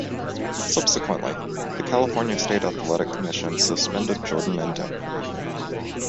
Subsequently, the California State Athletic Commission suspended Jordan indefinitely.